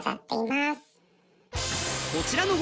こちらの